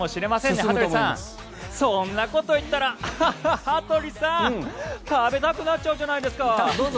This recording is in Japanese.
羽鳥さん、そんなこと言ったら羽鳥さん食べたくなっちゃうじゃないですか。